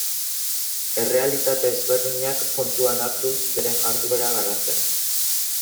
Errealitate ezberdinak kontuan hartuz, bere jarduera garatzen.